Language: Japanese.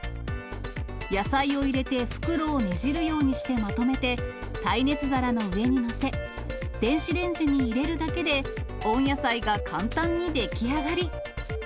野菜を入れて袋をねじるようにしてまとめて、耐熱皿の上に載せ、電子レンジに入れるだけで、温野菜が簡単に出来上がり。